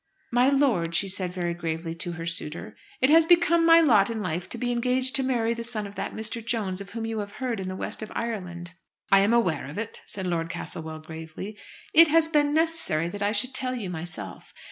"My lord," she said very gravely to her suitor, "it has become my lot in life to be engaged to marry the son of that Mr. Jones of whom you have heard in the west of Ireland." "I am aware of it," said Lord Castlewell gravely. "It has been necessary that I should tell you myself.